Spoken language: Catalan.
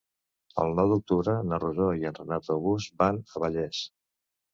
El nou d'octubre na Rosó i en Renat August van a Vallés.